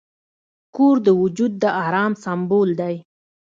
کور د وجود د آرام سمبول دی.